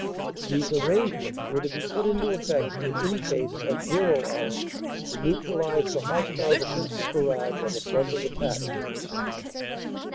These arrangements were to be put into effect, in any case, at "zero" hour, to neutralize the hostile defensive barrage on the front of attack.